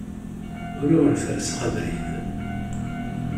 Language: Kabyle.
Ur awen-ferrseɣ abrid.